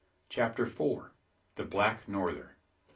CHAPTER FOUR. THE BLACK NORTHER.